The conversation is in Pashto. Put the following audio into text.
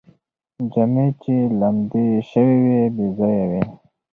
جامې چې لمدې شوې وې، بې ځایه وې